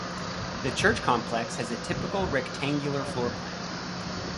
The church complex has a typical rectangular floor plan.